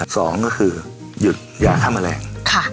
สองก็คือหยุดยาฆ่าแมลง